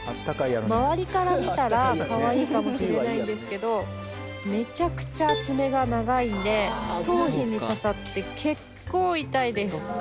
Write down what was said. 周りから見たらかわいいかもしれないんですけどめちゃくちゃ爪が長いんで頭皮に刺さって結構痛いです。